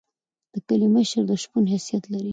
د کلی مشر د شپون حیثیت لري.